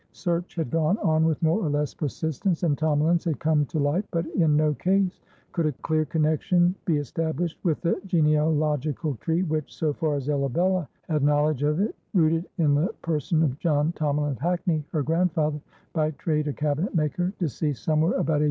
Search had gone on with more or less persistence, and Tomalins had come to light, but in no case could a clear connection be established with the genealogical tree, which so far as Arabella had knowledge of it, rooted in the person of John Tomalin of Hackney, her grandfather, by trade a cabinet maker, deceased somewhere about 1840.